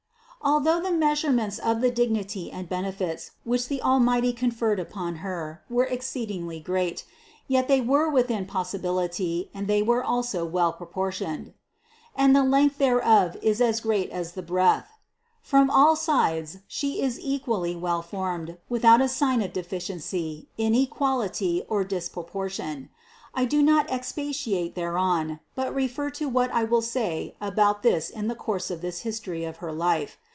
Although the measurements of the dig nity and benefits, which the Almighty conferred upon Her, were exceedingly great, yet they were within pos THE CONCEPTION 227 sibility and they were also well proportioned. "And the length thereof is as great as the breadth." From all sides She is equally well formed, without a sign of de ficiency, inequality or disproportion. I do not expatiate thereon, but refer to what I will say about this in the course of this history of her life.